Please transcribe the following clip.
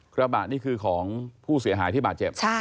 กระบะนี่คือของผู้เสียหายที่บาดเจ็บ